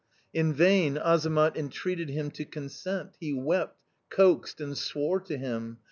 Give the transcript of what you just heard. "In vain Azamat entreated him to consent. He wept, coaxed, and swore to him.